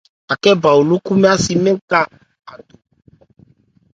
Akhɛ́ bha ló khúbhɛ́ ácí mɛ́n ka a do.